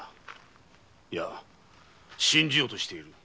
いや信じようとしている。